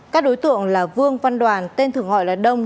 các đối tượng là vương văn đoàn tên thường gọi là đông